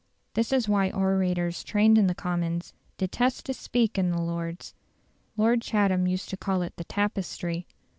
This is why orators trained in the Commons detest to speak in the Lords. Lord Chatham used to call it the "Tapestry".